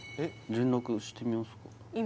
連絡してみますか今？